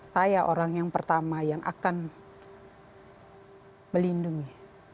saya orang yang pertama yang akan melindungi